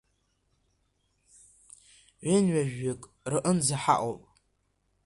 Ҩынҩажәаҩык рҟынӡа ҳаҟоуп.